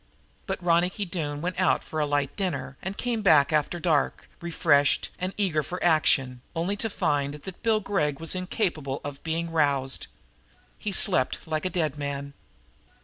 But Ronicky Doone went out for a light dinner and came back after dark, refreshed and eager for action, only to find that Bill Gregg was incapable of being roused. He slept like a dead man.